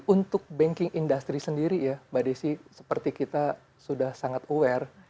untuk banking industry sendiri ya mbak desi seperti kita sudah sangat aware